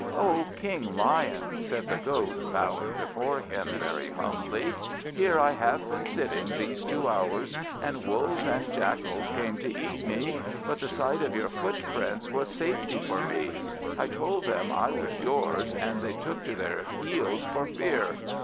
"O King Lion," said the Goat, bowing before him very humbly, "here I have been sitting these two hours, and wolves and jackals came to eat me; but the sight of your footprints was safety for me: I told them I was yours, and they took to their heels for fear.